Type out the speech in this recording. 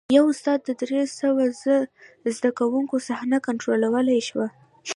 یوه استاد د درې سوه زده کوونکو صحنه کنټرولولی شوه.